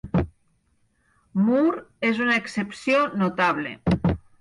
Moore és una excepció notable.